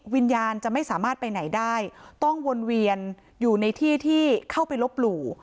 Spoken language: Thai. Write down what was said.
วิญญาณจะไม่สามารถไปไหนได้ต้องวนเวียนอยู่ในที่ที่เข้าไปลบหลู่